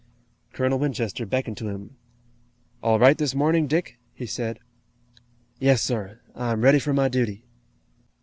Colonel Winchester beckoned to him. "All right this morning, Dick?" he said. "Yes, sir; I'm ready for my duty."